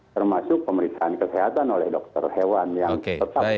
termasuk pemeriksaan kesehatan oleh dokter hewan yang tetap di bumilatang bandung